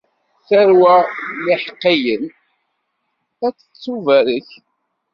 Tarwa n yiḥeqqiyen ad tettubarek.